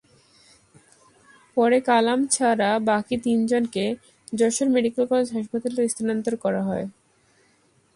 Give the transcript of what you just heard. পরে কালাম ছাড়া বাকি তিনজনকে যশোর মেডিকেল কলেজ হাসপাতালে স্থানান্তর করা হয়।